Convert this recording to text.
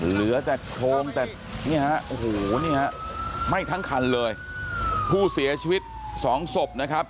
เหลือแต่โครงแต่เนี่ยฮะโอ้โหนี่ฮะไหม้ทั้งคันเลยผู้เสียชีวิตสองศพนะครับ